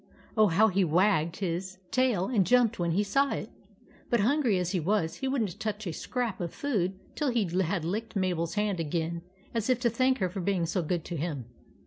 Oh, how he wagged his tail and jumped when he saw it ! But, hun gry as he was, he would n't touch a scrap of food till he had licked Mabel's hand again as if to thank her for being so good to him.